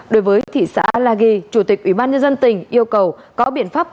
đối với thị xã lagi chủ tịch ủy ban nhân dân tỉnh yêu cầu có biện pháp